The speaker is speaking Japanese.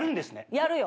やるよ。